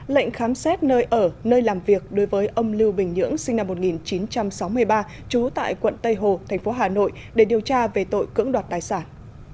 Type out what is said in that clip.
lệnh khám xét nơi ở nơi làm việc đối với ông lưu bình nhưỡng sinh năm một nghìn chín trăm sáu mươi ba trú tại quận tây hồ thành phố hà nội để điều tra về tội cưỡng đoạt tài sản